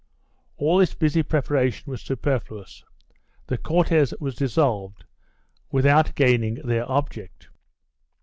All this busy preparation was superfluous; the Cortes were dissolved without gaining their object.